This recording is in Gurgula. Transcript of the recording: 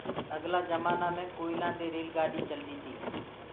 اگلآ جمآنآ مي گوئِيلآ دي ريل گآڏي چلدي تي۔